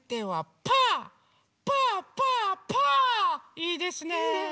いいですね。